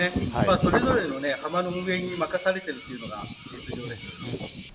それぞれの浜の運営に任されているというのが実情です。